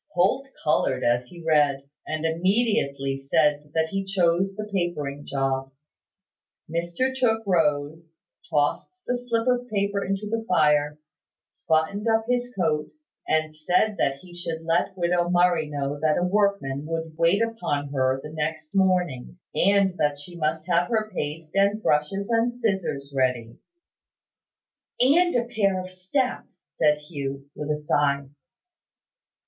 Holt coloured as he read, and immediately said that he chose the papering job. Mr Tooke rose, tossed the slip of paper into the fire, buttoned up his coat, and said that he should let widow Murray know that a workman would wait upon her the next morning, and that she must have her paste and brushes and scissors ready. "And a pair of steps," said Hugh, with a sigh.